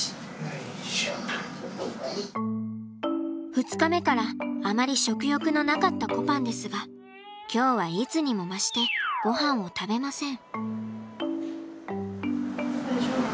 ２日目からあまり食欲のなかったこぱんですが今日はいつにも増してごはんを食べません。